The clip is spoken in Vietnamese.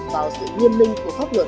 vào sự nghiêm minh của pháp luật